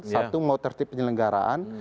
satu mau tertib penyelenggaraan